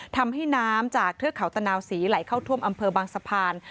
ทำให้น้ำจากเทือกเขาตะนาวศรีไหลเข้าท่วมอำเภอบางสะพาน